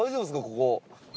ここ。